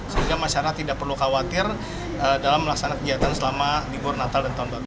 sehingga masyarakat tidak perlu khawatir dalam melaksanakan kegiatan selama libur natal dan tahun baru